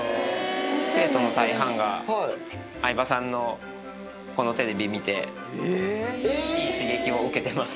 生徒の大半が、相葉さんのこのテレビ見て、いい刺激を受けてます。